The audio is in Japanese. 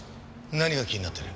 何が気になってる？